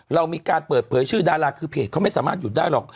เรามีการเปิดเผยชื่อดาราคือเพจเขาไม่สามารถหยุดได้หรอก